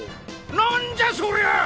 なんじゃそりゃ！？